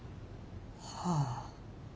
はあ。